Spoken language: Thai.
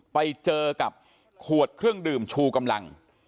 ไปเจอกับขวดเครื่องดื่มชูกำลัง